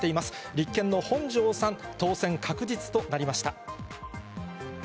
立憲の本庄さん、当選確実となりました。